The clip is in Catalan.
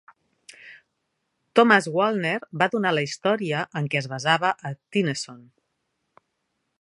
Thomas Woolner va donar la història en què es basava a Tennyson.